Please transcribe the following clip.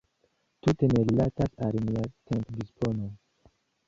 Tute ne rilatas al mia tempo-dispono.